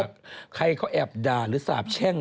ใครเขาแอบด่าหรือสาบแช่ง